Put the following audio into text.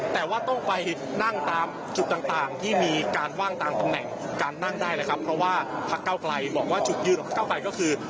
แต่ว่าต้องไปนั่งตามจุดต่างที่มีการว่างตามตำแหน่งการนั่งได้เลยครับเพราะว่าพักเก้าไกลบอกว่าจุดยืนของพักเก้าไกลก็คือ